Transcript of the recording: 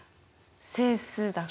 整数だから。